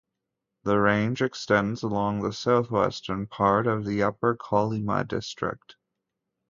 The range extends along the southwestern part of the Upper Kolyma District.